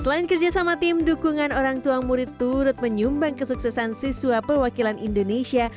selain kerja sama tim dukungan orang tuang murid turut menyumbang kesuksesan siswa perwakilan indonesia